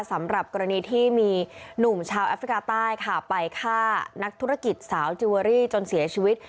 สำหรับกรณีที่มีหนุ่มชาวแอฟริกาใต้ค่ะไปฆ่านักธุรกิจสาวจิลเวอรี่จนเสียชีวิต